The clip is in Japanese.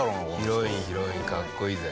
ヒロインヒロインかっこいいぜ。